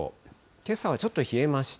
けさはちょっと冷えました。